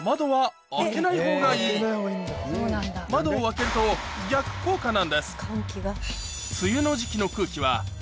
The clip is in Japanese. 窓を開けると逆効果なんです